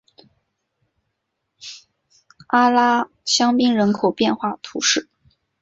阿拉香槟人口变化图示